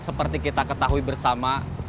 seperti kita ketahui bersama